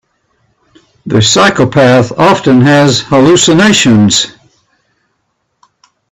The psychopath often has hallucinations.